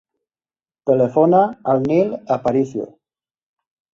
Telefona al Nil Aparicio.